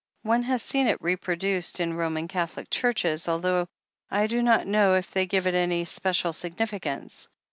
One has seen it reproduced in Roman Catholic churches, although I do not know if they give it any special significance.